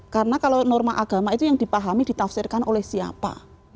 karena kalau norma agama itu yang dipahami ditafsirkan oleh siapa